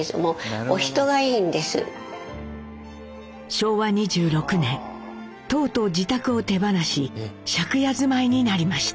昭和２６年とうとう自宅を手放し借家住まいになりました。